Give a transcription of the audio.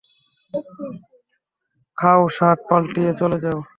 খাও, শার্ট পাল্টিয়ে চলে যাও।